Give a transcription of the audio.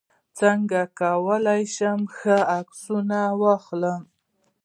څنګه کولی شم ښه عکسونه واخلم